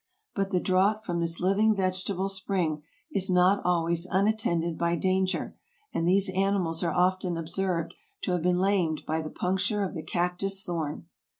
But the draught from this living vegetable spring is not always unattended by danger, and these animals are often observed to have been lamed by the puncture of the cactus thorn.